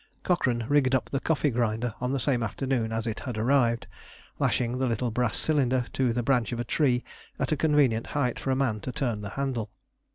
Cochrane rigged up the coffee grinder on the same afternoon as it had arrived lashing the little brass cylinder to the branch of a tree at a convenient height for a man to turn the handle.